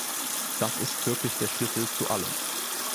Das ist wirklich der Schlüssel zu allem.